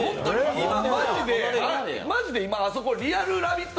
今、マジで、あそこ、リアルラヴィット！